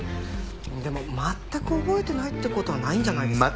でも全く覚えてないって事はないんじゃないですかね？